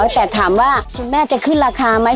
แต่ถามว่าคุณแม่จะขึ้นราคาไหม